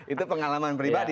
itu pengalaman pribadi